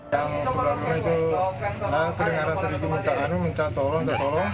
yang sebelumnya itu aku dengar sedikit minta tolong minta tolong